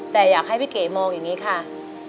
แต่อยากให้พี่เก๋มองอย่างนี้ค่ะ